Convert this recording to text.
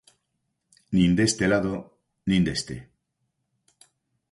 Nin deste lado nin deste.